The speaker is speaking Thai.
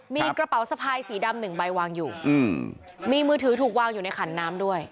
มีกระเป๋าสะพายสีดำหนึ่งใบวางอยู่มีมือถือถูกวางอยู่ในขันน้ำด้วย